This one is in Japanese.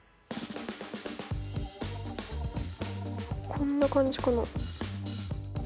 こんな感じかな？